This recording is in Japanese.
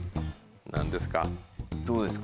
何ですか？